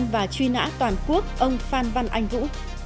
khởi tố bị can và truy nã toàn quốc ông phan văn anh vũ